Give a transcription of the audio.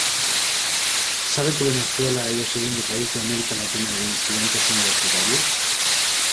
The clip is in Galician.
Sabe que Venezuela é o segundo país de América Latina en estudantes universitarios?